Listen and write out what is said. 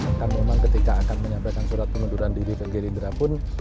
akan memang ketika akan menyampaikan surat pengunduran diri ke gerindra pun